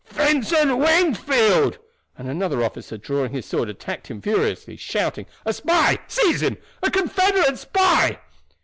"Vincent Wingfield!" and another officer drawing his sword attacked him furiously, shouting, "A spy! Seize him! A Confederate spy!"